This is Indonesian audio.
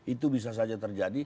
itu bisa saja terjadi